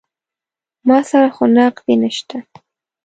ما سره خو نقدې نه شته.